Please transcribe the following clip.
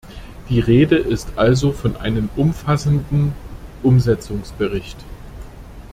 Die Rede ist also von einem umfassenden Umsetzungsbericht.